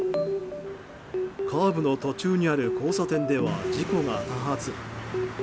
カーブの途中にある交差点では事故が多発。